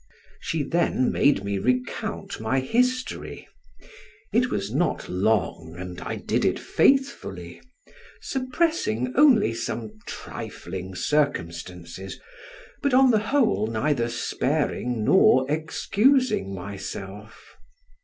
She then made me recount my history; it was not long, and I did it faithfully: suppressing only some trifling circumstances, but on the whole neither sparing nor excusing myself.